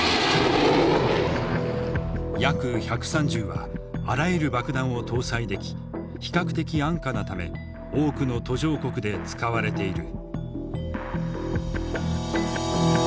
Ｙａｋ−１３０はあらゆる爆弾を搭載でき比較的安価なため多くの途上国で使われている。